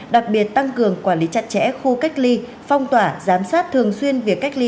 đặc biệt tăng cường quản lý chặt chẽ khu cách ly phong tỏa giám sát thường xuyên việc cách ly